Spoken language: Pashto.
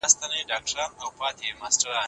چي مو د پېغلو سره سم ګودر په کاڼو ولي